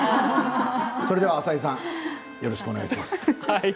それでは浅井さんよろしくお願いします。